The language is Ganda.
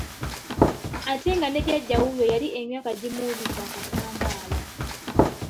Ate nga ne Jjajja wuuyo yali emyaka gimuwuubidde akatambaala.